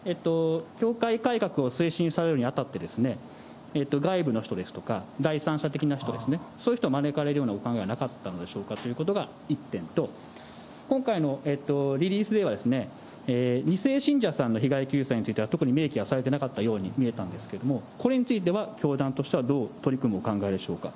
教会改革を推進されるにあたって、外部の人ですとか、第三者的な人ですね、そういった人を招かれるようなお考えはなかったんでしょうかということが１点と、今回のリリースでは、２世信者さんの被害救済については特に明記はされていなかったように見えたんですが、これについては教団としては、どう取り組むお考えでしょうか。